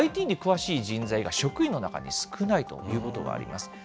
ＩＴに詳しい人材が職員の中に少ないということがあります。